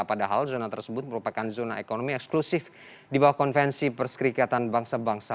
padahal zona tersebut merupakan zona ekonomi eksklusif di bawah konvensi perskrikatan bangsa bangsa